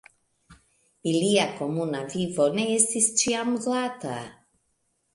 Ilia komuna vivo ne estis ĉiam glata.